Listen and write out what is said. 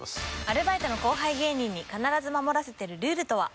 アルバイト後輩芸人に必ず守らせてるルールとは？